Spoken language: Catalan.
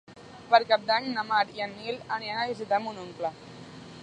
Per Cap d'Any na Mar i en Nil aniran a visitar mon oncle.